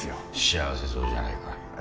幸せそうじゃないか。